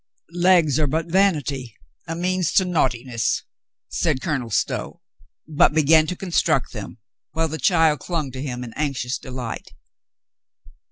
"Legs are but vanity, a means to naughtiness," said Colonel Stow, but began to construct them, while the child clung to him in anxious delight.